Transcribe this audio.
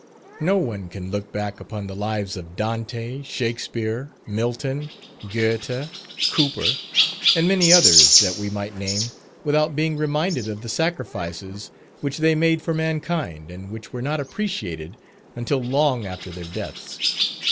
No one can look back upon the lives of Dante, Shakspere, Milton, Goethe, Cowper, and many others that we might name, without being reminded of the sacrifices which they made for mankind, and which were not appreciated until long after their deaths.